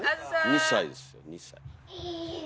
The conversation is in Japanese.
２歳です２歳。